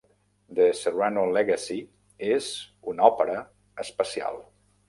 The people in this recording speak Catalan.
"The Serrano Legacy" és una òpera espacial.